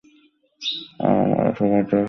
আর আমরা সবাই তাঁর কাছে আত্মসমর্পণকারী।